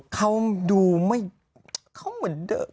เขาดูเหมือนเดิม